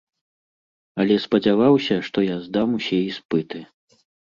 Але спадзяваўся, што я здам усе іспыты.